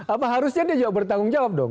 apa harusnya dia juga bertanggung jawab dong